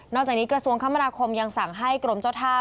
จากนี้กระทรวงคมนาคมยังสั่งให้กรมเจ้าท่า